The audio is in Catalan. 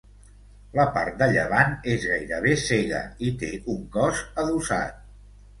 La part de llevant és gairebé cega i té un cos adossat.